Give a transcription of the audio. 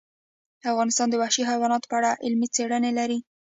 افغانستان د وحشي حیوانات په اړه علمي څېړنې لري.